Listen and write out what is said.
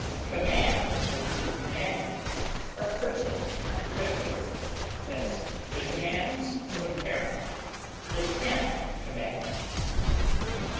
Command and commandment are personal and particular; as, the commands of a parent; the ten commandments.